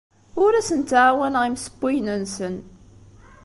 Ur asen-ttɛawaneɣ imsewwiyen-nsen.